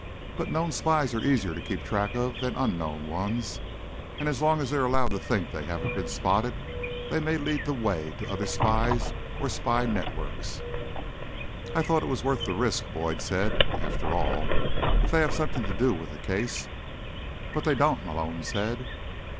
But known spies are easier to keep track of than unknown ones. And, as long as they're allowed to think they haven't been spotted, they may lead the way to other spies or spy networks. "I thought it was worth the risk," Boyd said. "After all, if they have something to do with the case—" "But they don't," Malone said.